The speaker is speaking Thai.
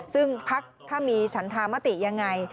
ซึ่งพักถ้ามีฉันธามติยังไง